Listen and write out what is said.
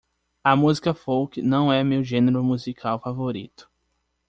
A música folk não é meu gênero musical favorito.